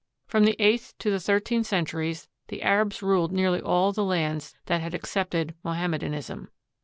From the eighth to the thirteenth centuries the Arabs ruled nearly all the lands that had accepted Mohammedanism.